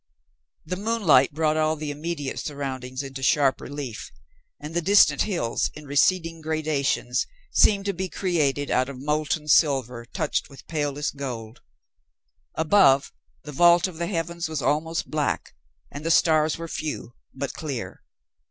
The moonlight brought all the immediate surroundings into sharp relief, and the distant hills in receding gradations seemed to be created out of molten silver touched with palest gold. Above, the vault of the heavens was almost black, and the stars were few, but clear.